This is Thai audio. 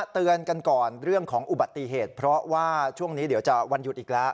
เตือนกันก่อนเรื่องของอุบัติเหตุเพราะว่าช่วงนี้เดี๋ยวจะวันหยุดอีกแล้ว